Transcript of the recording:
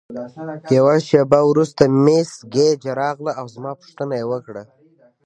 یوه شیبه وروسته مس ګیج راغله او زما پوښتنه یې وکړه.